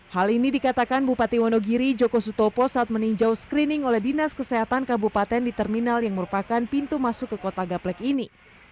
hal ini dikatakan bupati wonogiri joko sutopo saat meninjau screening oleh dinas kesehatan kabupaten di terminal yang merupakan pintu masuk ke kota gaplek ini